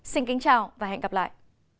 xin kính chào và hẹn gặp lại